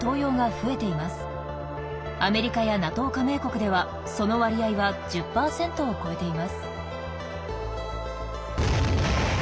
アメリカやＮＡＴＯ加盟国ではその割合は１０％を超えています。